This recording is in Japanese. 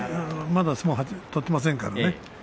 まだ相撲を取っていませんからね。